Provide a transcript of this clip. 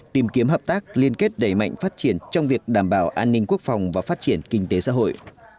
tìm kiếm hợp tác liên kết đẩy mạnh phát triển trong việc đảm bảo an ninh quốc phòng và phát triển kinh tế xã hội